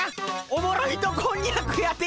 おもろ糸こんにゃくやて！